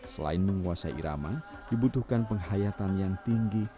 selain menguasai irama dibutuhkan penghayatan yang tinggi